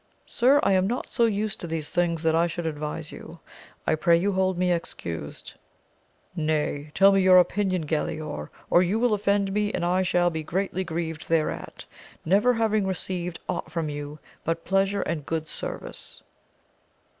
Sir, I am not so used to these things that I should advise you. I pray you hold me excused. — Nay, tell me your opinion Galaor or you will offend me, and I shall be greatly grieved thereat, never having received aught from you but pleasure and good service.